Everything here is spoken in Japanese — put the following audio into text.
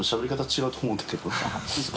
違う？